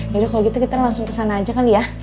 yaudah kalo gitu kita langsung kesana aja kali ya